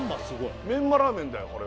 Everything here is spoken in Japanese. すごいメンマラーメンだよ